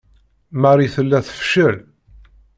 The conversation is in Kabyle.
Marie tella tefcel.